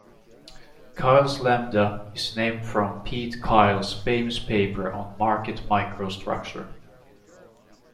Kyle's lambda is named from Pete Kyle's famous paper on market microstructure.